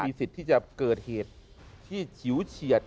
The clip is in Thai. สิทธิ์ที่จะเกิดเหตุที่ฉิวเฉียด